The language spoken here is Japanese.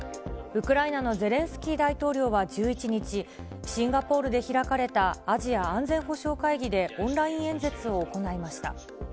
ウクライナのゼレンスキー大統領は１１日、シンガポールで開かれたアジア安全保障会議でオンライン演説を行いました。